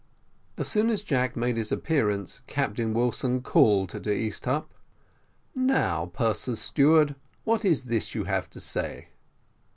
As soon as Jack made his appearance, Captain Wilson called to Easthupp. "Now, purser's steward, what is this you have to say?"